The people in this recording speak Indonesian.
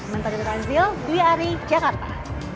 menteri tanzil dwi ari jakarta